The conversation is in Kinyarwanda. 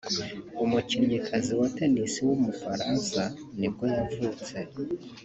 umukinnyikazi wa tennis w’umufaransa nibwo yavutse